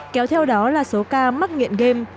kéo theo đó là số ca mắc nghiện game